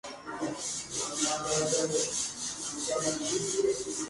Muchos de los artículos son asignados por los contribuidores.